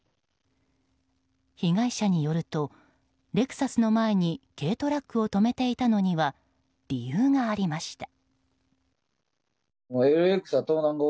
被害者によると、レクサスの前に軽トラックを止めていたのには理由がありました。